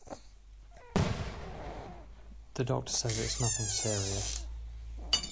The doctor says it's nothing serious.